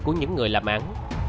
của những người làm án